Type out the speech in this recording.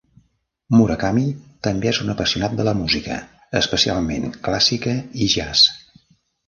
Murakami també és un apassionat de la música, especialment clàssica i jazz.